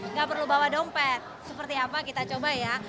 nggak perlu bawa dompet seperti apa kita coba ya